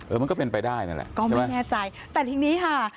มันก็เป็นไปได้นั่นแหละก็ไม่แน่ใจแต่ทีนี้ค่ะ